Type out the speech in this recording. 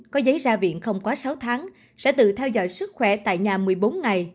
có giấy ra viện không quá sáu tháng sẽ tự theo dõi sức khỏe tại nhà một mươi bốn ngày